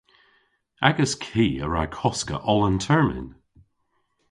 Agas ki a wra koska oll an termyn.